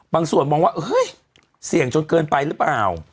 ส่วนมองว่าเฮ้ยเสี่ยงจนเกินไปหรือเปล่า